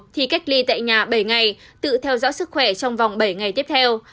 thì cách ly tại nhà bảy ngày tự theo dõi sức khỏe trong vòng bảy ngày tiếp theo